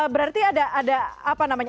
berarti ada apa namanya